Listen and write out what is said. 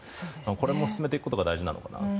これも進めていくことが大事なのかなと。